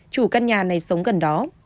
chủ căn nhà này sống gần đó